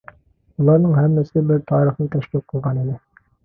بۇلارنىڭ ھەممىسى بىر تارىخنى تەشكىل قىلغانىدى.